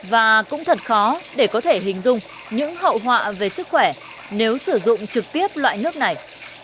và cũng thật khó để có thể hình dung những hậu họa về sức khỏe nếu sử dụng trực tiếp loại nước này